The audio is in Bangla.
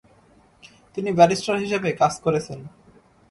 তিনি ব্যারিস্টার হিসেবে কাজ করেছেন।